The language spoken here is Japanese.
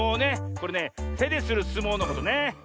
これねてでするすもうのことね。